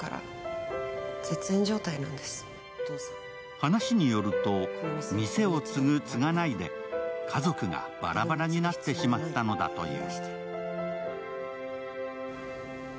話によると店を継ぐ、継がないで家族がバラバラになってしまったのだという。